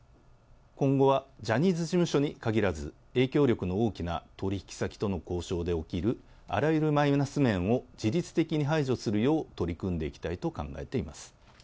今後はジャニーズ事務所に限らず、影響力の大きな取り引き先との交渉で起きるあらゆるマイナス面を自律的に排除するよう取り組んでいきたいと考えています。